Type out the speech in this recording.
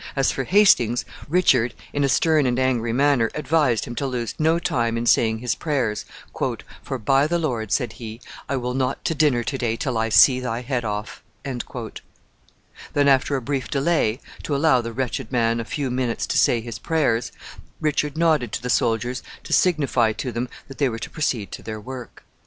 As for Hastings, Richard, in a stern and angry manner, advised him to lose no time in saying his prayers, "for, by the Lord," said he, "I will not to dinner to day till I see thy head off." Then, after a brief delay, to allow the wretched man a few minutes to say his prayers, Richard nodded to the soldiers to signify to them that they were to proceed to their work.